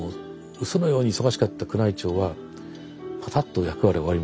そのように忙しかった宮内庁はパタッと役割を終わりましてですね